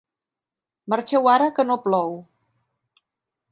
Marxeu ara, que no plou.